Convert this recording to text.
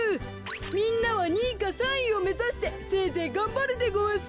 みんなは２いか３いをめざしてせいぜいがんばるでごわす。